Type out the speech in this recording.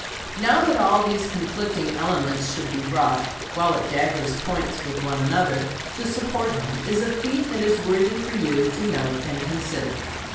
Now that all these conflicting elements should be brought, while at daggers' points with one another, to support him, is a feat that is worthy for you to note and consider.